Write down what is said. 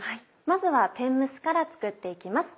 まずは天むすから作って行きます。